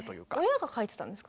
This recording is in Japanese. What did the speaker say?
親が書いてたんですか？